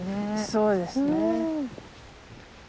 そうですね。